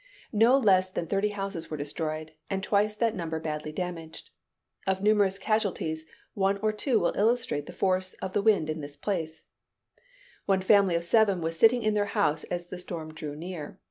Not less than thirty houses were destroyed, and twice that number badly damaged. Of numerous casualties, one or two will illustrate the force of the wind at this place: One family of seven were sitting in their house as the storm drew near.